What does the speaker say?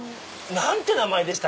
何て名前でした？